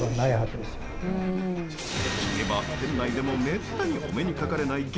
聞けば、県内でもめったにお目にかかれない激